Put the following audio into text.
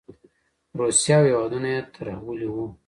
روسیه او هېوادونه یې ترهولي وو.